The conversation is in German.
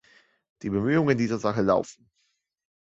Die Bemühungen in dieser Sache laufen.